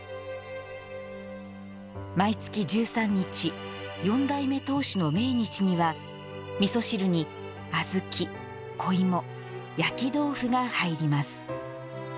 毎月１３日四代目当主の命日にはみそ汁にあずき、小芋焼き豆腐が入ります。